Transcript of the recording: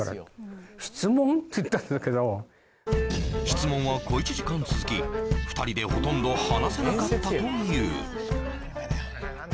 質問は小一時間続き２人でほとんど話せなかったというあ